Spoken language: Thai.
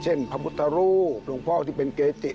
พระพุทธรูปหลวงพ่อที่เป็นเกจิ